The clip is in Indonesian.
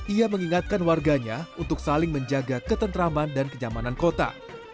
ia mengingatkan warganya untuk saling menjaga ketentraman dan kenyamanan kota